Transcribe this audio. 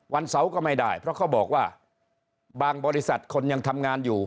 วันเสาร์ก็ไม่ได้เพราะเขาบอกว่าบางบริษัทคนยังทำงานอยู่